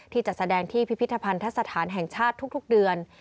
ที่จะแสดงที่พิพิธภัณฑ์ทัศนฐานแห่งชาติทุกเดือน